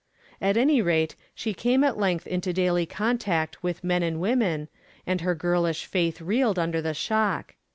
At any rate, she came at length into daily contact with men and women, and her girlish faith reeled under the shock.